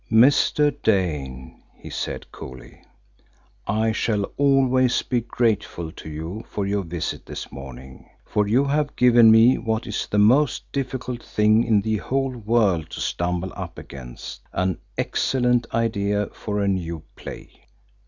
"Mr. Dane," he said coolly, "I shall always be grateful to you for your visit this morning, for you have given me what is the most difficult thing in the whole world to stumble up against an excellent idea for a new play.